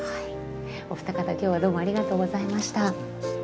お二方今日はどうもありがとうございました。